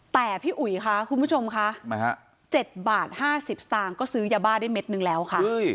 แต่พี่อุ๋ยค่ะคุณผู้ชมค่ะ๗บาท๕๐สตางค์ก็ซื้อยาบ้าได้เม็ดนึงแล้วค่ะ